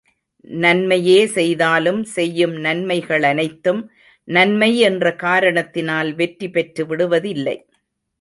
நன்மையே செய்தாலும் செய்யும் நன்மைகளனைத்தும் நன்மை என்ற காரணத்தினால் வெற்றி பெற்று விடுவதில்லை.